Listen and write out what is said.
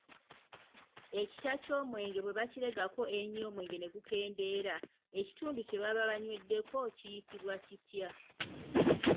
Ekita ky'omwenge bwe bakiregako ennyo omwenge ne gukendeera, ekituundu kye baba banyweddeko kiyitibwa kitya?